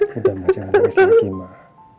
kita mau cari es lagi mah